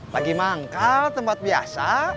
lagi manggal tempat biasa